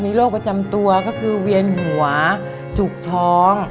มีโรคประจำตัวก็คือเวียนหัวจุกท้อง